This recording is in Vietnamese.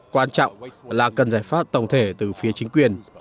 quan trọng là cần giải pháp tổng thể từ phía chính quyền